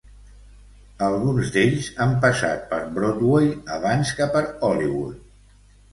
Alguns d'ells han passat per Broadway abans que per Hollywood.